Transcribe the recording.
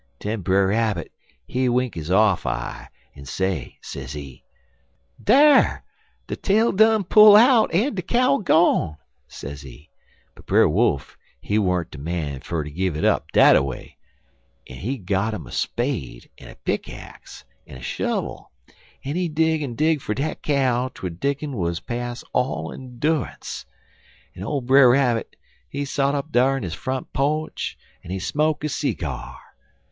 Den Brer Rabbit, he wink his off eye en say, sezee: "'Dar! de tail done pull out en de cow gone,' sezee. But Brer Wolf he wern't de man fer ter give it up dat away, en he got 'im a spade, en a pick axe, en a shovel, en he dig en dig fer dat cow twel diggin' wuz pas' all endu'unce, en ole Brer Rabbit he sot up dar in his front po'ch en smoke his seegyar.